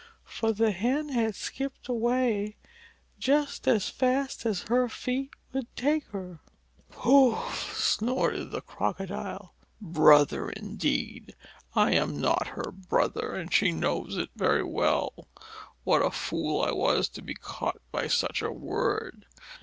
For the Hen had skipped away just as fast as her feet would take her. "Pouf!" snorted the Crocodile. "Her brother, indeed! I am not her brother, and she knows it very well. What a fool I was to be caught by such a word!